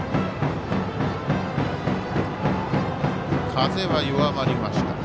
風は弱まりました。